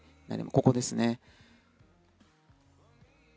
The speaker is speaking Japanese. ここですね。